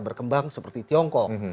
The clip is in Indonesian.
berkembang seperti tiongkok